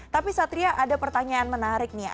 tapi satria ada pertanyaan menarik nih